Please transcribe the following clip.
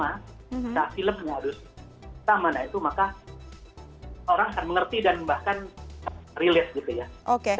nah itu maka orang akan mengerti dan bahkan relate gitu ya